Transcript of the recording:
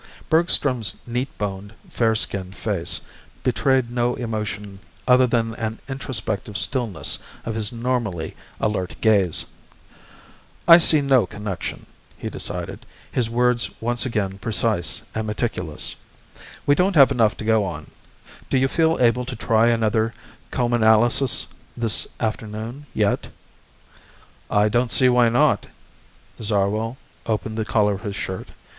Bergstrom's neat boned, fair skinned face betrayed no emotion other than an introspective stillness of his normally alert gaze. "I see no connection," he decided, his words once again precise and meticulous. "We don't have enough to go on. Do you feel able to try another comanalysis this afternoon yet?" "I don't see why not." Zarwell opened the collar of his shirt.